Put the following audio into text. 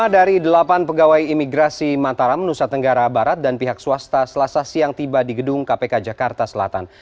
lima dari delapan pegawai imigrasi mataram nusa tenggara barat dan pihak swasta selasa siang tiba di gedung kpk jakarta selatan